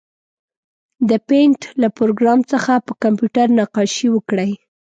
د پېنټ له پروګرام څخه په کمپیوټر نقاشي وکړئ.